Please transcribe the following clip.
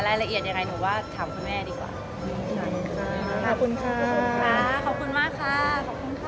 บางทีก็ไปดูหนังอะไรอย่างเงี้ยค่ะไปด้วยกันชอบดูหนังด้วยกันค่ะ